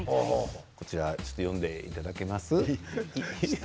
ちょっと読んでいただけます？